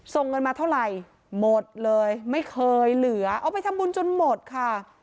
ส่งเงินมาเท่าไหร่หมดเลยไม่เคยเหลือเอาไปทำบุญจนหมดค่ะ